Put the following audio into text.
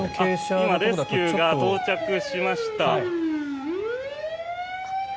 今、レスキューが到着しました。